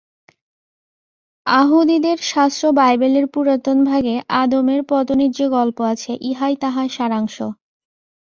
য়াহুদীদের শাস্ত্র বাইবেলের পুরাতন ভাগে আদমের পতনের যে-গল্প আছে, ইহাই তাহার সারাংশ।